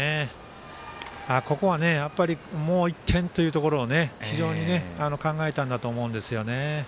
ここは、やっぱりもう１点というところを非常に考えたんだと思いますけどね。